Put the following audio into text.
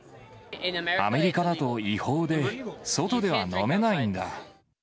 アメリカだと違法で、外では飲めないんだ。